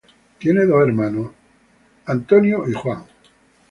Tiene dos hermanos, Adam y Jake.